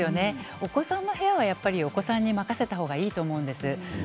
お子さんの部屋はお子さんに任せた方がいいと思うんです。